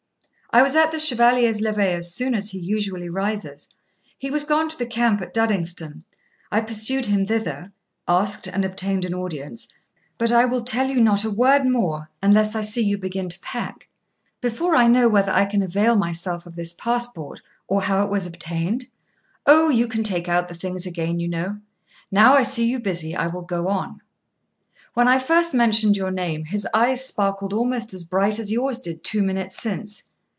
'I was at the Chevalier's levee as soon as he usually rises. He was gone to the camp at Duddingston. I pursued him thither, asked and obtained an audience but I will tell you not a word more, unless I see you begin to pack.' 'Before I know whether I can avail myself of this passport, or how it was obtained?' 'O, you can take out the things again, you know. Now I see you busy, I will go on. When I first mentioned your name, his eyes sparkled almost as bright as yours did two minutes since.